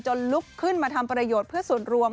ลุกขึ้นมาทำประโยชน์เพื่อส่วนรวม